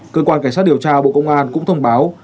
cơ quan cảnh sát điều tra bộ công an cũng thông báo